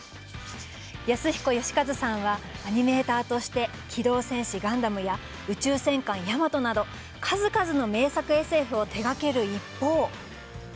安彦良和さんはアニメーターとして「機動戦士ガンダム」や「宇宙戦艦ヤマト」など数々の名作ＳＦを手がける一方。